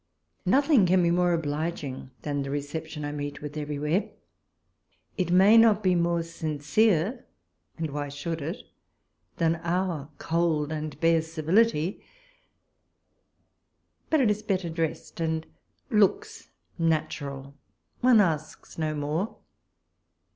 Nothing can be more obliging than the recep tion I meet with everywhere. It may not be more sincere (and why should it?) than our cold and bare civility ; but it is better dressed, and looks natural ; one asks'no more.